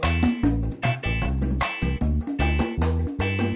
ada ceritanya lah kan